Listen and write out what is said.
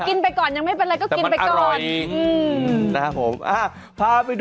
กินไปก่อนยังไม่เป็นไรก็กินไปก่อน